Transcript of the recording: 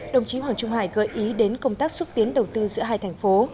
đồng chí hoàng trung hải gợi ý đến công tác xúc tiến đầu tư giữa hai thành phố